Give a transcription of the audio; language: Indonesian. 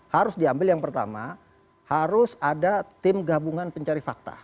harus diambil yang pertama harus ada tim gabungan pencari fakta